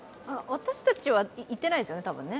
私たちは行ってないですよね、たぶん。